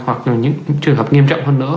hoặc những trường hợp nghiêm trọng hơn nữa